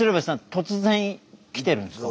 突然来てるんですか？